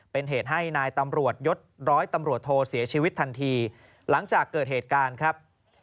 เป็นเหตุให้นายตำรวจยศร้อยตำรวจโทเสียชีวิตทันทีหลังจากเกิดเหตุการณ์ครับ